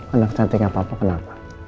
anak cantiknya papa kenapa